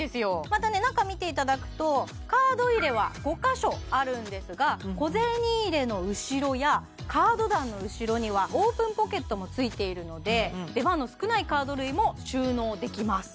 またね中見ていただくとカード入れは５カ所あるんですが小銭入れの後ろやカード段の後ろにはオープンポケットもついているので出番の少ないカード類も収納できます